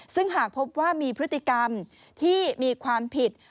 ซึ่งหากพบว่ามีพฤติกรรมที่มีความผิด